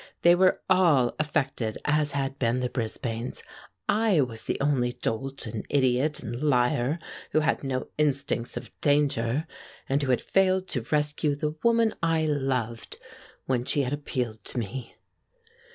They were all affected as had been the Brisbanes. I was the only dolt and idiot and liar who had no instincts of danger, and who had failed to rescue the woman I loved when she had appealed to me.